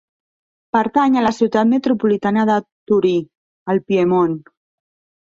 Pertany a la ciutat metropolitana de Torí, al Piemont.